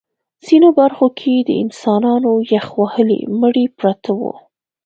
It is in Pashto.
ځینو برخو کې د انسانانو یخ وهلي مړي پراته وو